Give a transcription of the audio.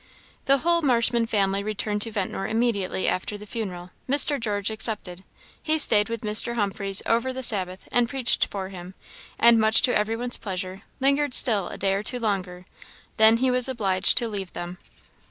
The whole Marshman family returned to Ventnor immediately after the funeral, Mr. George excepted; he stayed with Mr. Humphreys over the Sabbath, and preached for him, and, much to every one's pleasure, lingered still a day or two longer; then he was obliged to leave them.